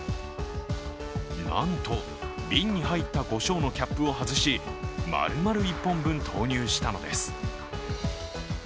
なんと、瓶に入ったこしょうのキャップを外しまるまる１本分投入したのです。